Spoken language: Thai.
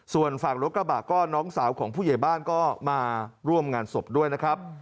ส่วนฝั่งรถกระบะก็น้องสาวของผู้ใหญ่บ้านก็มาร่วมงานศพด้วยนะครับ